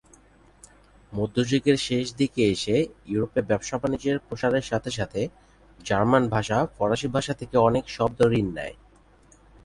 মধ্যযুগের শেষ দিকে এসে ইউরোপে ব্যবসা-বাণিজ্যের প্রসারের সাথে সাথে জার্মান ভাষা ফরাসি ভাষা থেকে অনেক শব্দ ঋণ নেয়।